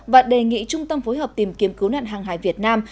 và đề nghị trung tâm phối hợp tìm kiếm cứu nạn hàng hải việt nam